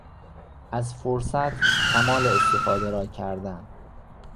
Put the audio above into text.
از فرصت کمال استفاده را کردن